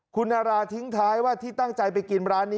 คุณนาราทิ้งท้ายว่าที่ตั้งใจไปกินร้านนี้